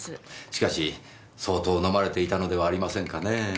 しかし相当飲まれていたのではありませんかねぇ。